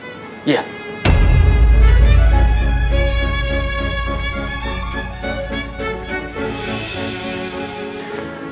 k budget yang dalam